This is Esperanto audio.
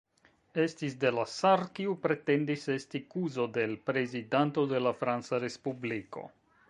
Estis Delasar, kiu pretendis esti kuzo de l' Prezidanto de la Franca Respubliko.